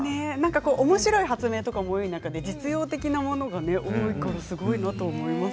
おもしろい発明と実用的なものが多いからすごいと思います。